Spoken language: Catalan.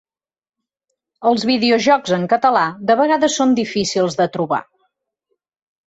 Els videojocs en català de vegades són difícils de trobar.